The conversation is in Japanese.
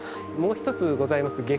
もう一つございます